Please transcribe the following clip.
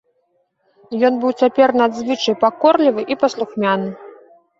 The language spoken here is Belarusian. Ён быў цяпер надзвычай пакорлівы і паслухмяны.